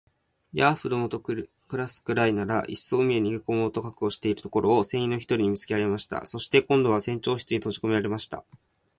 ヤーフどもと暮すくらいなら、いっそ海へ飛び込もうと覚悟しているところを、船員の一人に見つけられました。そして、今度は船長室にとじこめられました。